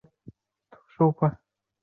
母马氏。